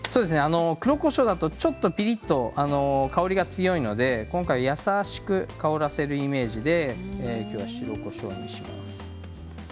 黒こしょうだとちょっとピリっと香りが強いので今回、優しく香らせるイメージで今日は白こしょうにします。